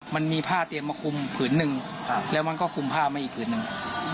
มันมีผ้าเตรียมมาคุมผืนหนึ่งแล้วมันก็คุมผ้ามาอีกผืนหนึ่ง